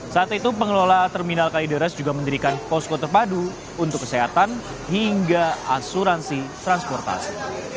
saat itu pengelola terminal kalideres juga mendirikan posko terpadu untuk kesehatan hingga asuransi transportasi